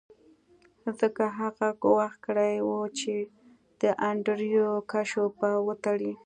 ځکه هغه ګواښ کړی و چې د انډریو کشو به وتړي